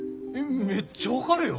めっちゃ分かるよ！